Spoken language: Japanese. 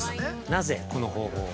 ◆なぜ、この方法を？